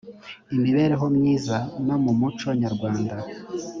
imibereho myiza no mu muco nyarwanda